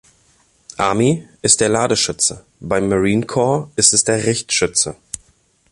Army ist es der Ladeschütze, beim Marine Corps ist es der Richtschütze.